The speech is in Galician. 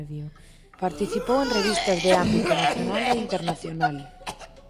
Participou en revistas de ámbito nacional e internacional.